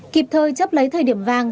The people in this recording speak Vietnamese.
kịp thời chấp lấy thời điểm vàng